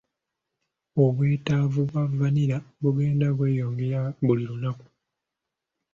Obwetaavu bwa vanilla bugenda bweyongera buli lunaku.